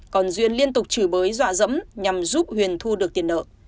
còn duyên liên tục chửi bới dọa dẫm nhằm giúp huyền thu được tiền nợ